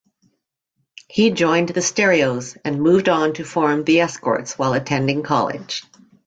He joined The Stereos, and moved on to form The Escorts, while attending college.